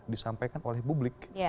disampaikan oleh publik